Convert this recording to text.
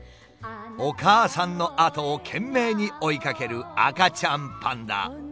お母さんの後を懸命に追いかける赤ちゃんパンダ。